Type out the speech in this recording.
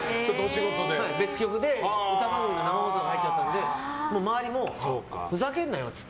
別局で歌番組の生放送が入っちゃったので周りも、ふざけんなよって。